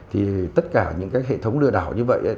thì tất cả những cái hệ thống lừa đảo như vậy